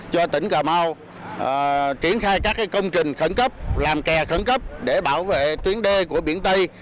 cho tỉnh cà mau triển khai các công trình khẩn cấp làm kè khẩn cấp để bảo vệ tuyến đê của biển tây